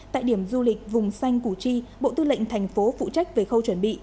tại điểm du lịch vùng xanh củ chi bộ tư lệnh thành phố phụ trách về khâu chuẩn bị